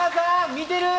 見てる？